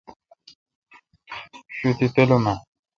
شوتی تلوم اؘ۔